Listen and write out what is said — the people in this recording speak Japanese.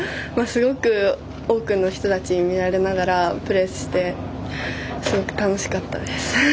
すごく多くの人たちに見られながらプレーしてすごく楽しかったです。